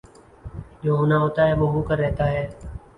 جو ہونا ہوتاہےوہ ہو کر رہتا ہے